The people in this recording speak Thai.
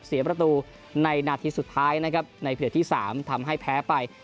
เสียประตูในนาทีสุดท้ายนะครับในเพจที่๓ทำให้แพ้ไป